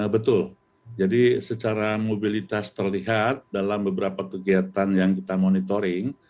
betul jadi secara mobilitas terlihat dalam beberapa kegiatan yang kita monitoring